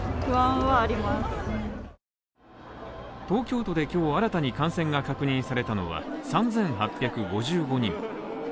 東京都で今日新たに感染が確認されたのは３８５５人。